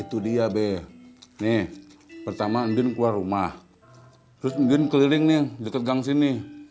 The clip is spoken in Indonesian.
itu dia be nih pertama andin keluar rumah terus ngedin keliling nih dekat gang sini